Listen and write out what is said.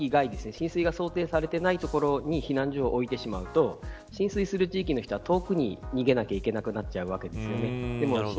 浸水が想定されていない所に避難所を置いてしまうと浸水する地域の人は遠くに逃げなきゃいけなくなっちゃうわけですよね。